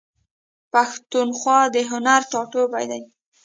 پښتونخوا د هنر ټاټوبی دی.